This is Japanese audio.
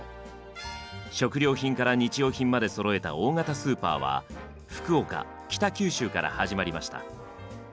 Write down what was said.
食料品から日用品までそろえた大型スーパーは福岡・北九州から始まりました。